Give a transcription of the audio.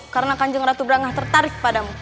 karena kanjeng ratu berangah tertarik padamu